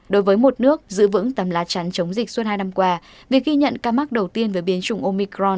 đối với một nước giữ vững tầm lá chắn chống dịch suốt hai năm qua việc ghi nhận ca mắc đầu tiên với biến chủng omicron